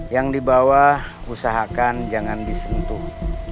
yang di bawah usahakan jangan disentuh